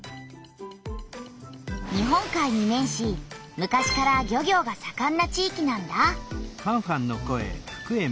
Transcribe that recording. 日本海に面し昔から漁業がさかんな地域なんだ。